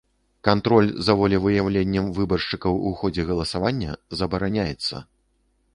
Кантроль за волевыяўленнем выбаршчыкаў у ходзе галасавання забараняецца.